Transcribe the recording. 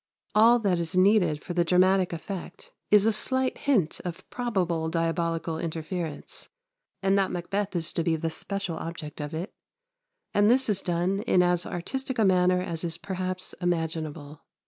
All that is needed for the dramatic effect is a slight hint of probable diabolical interference, and that Macbeth is to be the special object of it; and this is done in as artistic a manner as is perhaps imaginable.